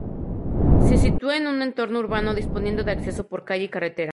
Se sitúa en un entorno urbano, disponiendo de acceso por calle y carretera.